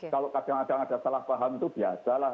kalau kadang kadang ada salah paham itu biasalah